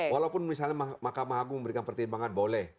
walaupun misalnya mahkamah agung memberikan pertimbangan boleh